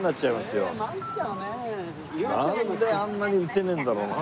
なんであんなに打てねえんだろうな。